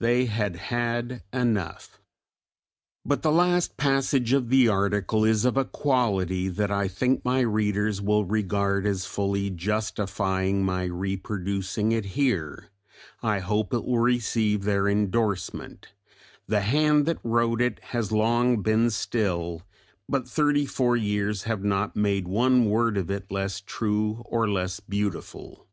They had had enough! But the last passage of the article is of a quality that I think my readers will regard as fully justifying my reproducing it here, I hope it will receive their endorsement the hand that wrote it has long been still, but thirty four years have not made one word of it less true or less beautiful.